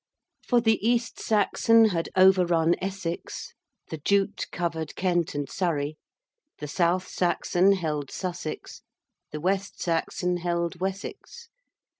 For the East Saxon had overrun Essex, the Jute covered Kent and Surrey, the South Saxon held Sussex, the West Saxon held Wessex.